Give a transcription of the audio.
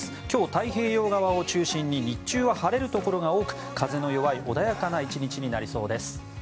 今日、太平洋側を中心に日中は晴れるところが多く風が弱い穏やかな１日になりそうです。